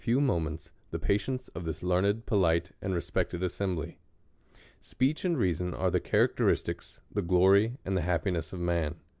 few mo ments the patience of this learned, polite, and respected assembly. Speech and reason are the characteristics, the glory, and the happiness of man.